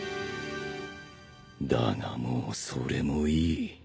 だがもうそれもいい。